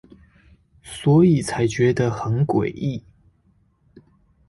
所以才覺得很詭異